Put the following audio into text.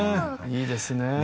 いいですね。